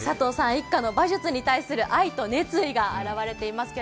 一家の馬術に対する愛があふれています。